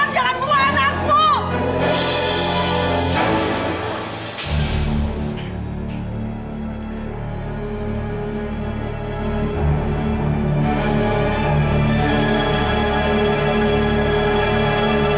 jangan isi baru man